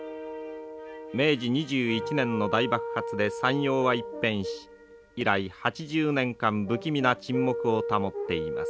明治２１年の大爆発で山容は一変し以来８０年間不気味な沈黙を保っています。